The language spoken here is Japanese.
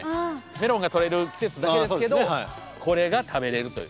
メロンが取れる季節だけですけどこれが食べれるという。